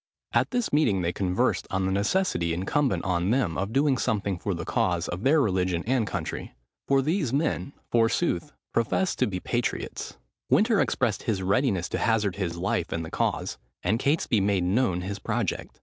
At this meeting they conversed on the necessity incumbent on them of doing something for the cause of their religion and country; for these men, forsooth, professed to be patriots. Winter expressed his readiness to hazard his life in the cause; and Catesby made known his project.